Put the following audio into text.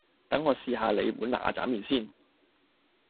就等我試吓你碗嗱喳麵先